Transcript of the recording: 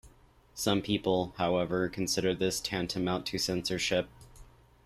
Some people, however, consider this tantamount to censorship.